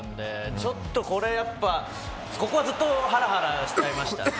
ちょっと、ここはずっとハラハラしちゃいましたね。